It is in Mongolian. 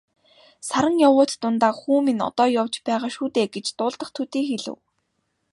Саран явуут дундаа "Хүү минь одоо явж байгаа шүү дээ" гэж дуулдах төдий хэлэв.